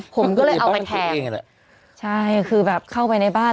ผมก็เลยเอาไปแทงใช่คือแบบเข้าไปในบ้าน